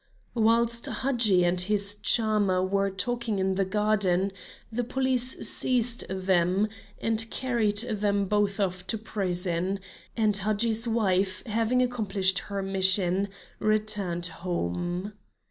Whilst Hadji and his charmer were talking in the garden the police seized them and carried them both off to prison, and Hadji's wife, having accomplished her mission, returned home.